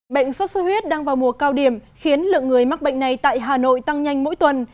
bệnh sốt xuất huyết đang vào mùa cao điểm khiến lượng người mắc bệnh này tại hà nội tăng nhanh mỗi tuần